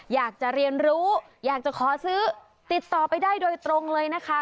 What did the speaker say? อยากจะเรียนรู้อยากจะขอซื้อติดต่อไปได้โดยตรงเลยนะคะ